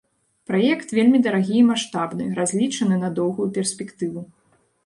Праект вельмі дарагі і маштабны, разлічаны на доўгую перспектыву.